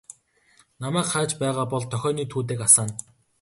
Намайг хайж байгаа бол дохионы түүдэг асаана.